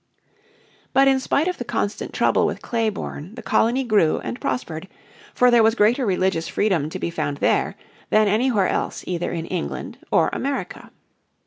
But in spite of the constant trouble with Clayborne the colony grew and prospered, for there was greater religious freedom to be found there than anywhere else either in England or America.